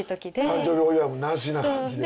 誕生日お祝いもなしな感じで。